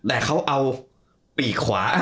แต่เขาเอาปีกขวา